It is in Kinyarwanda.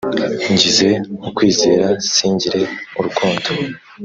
ngize ukwizera singire urukundo